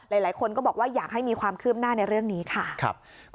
หลายคนก็บอกว่าอยากให้มีความคืบหน้าในเรื่องนี้ค่ะ